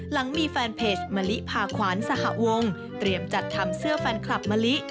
หลังมีแฟนเพจมะลิพาขวานสหวงเตรียมจัดทำเสื้อแฟนคลับมะลิ